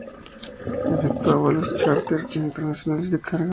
Efectúa vuelos chárter internacionales de carga.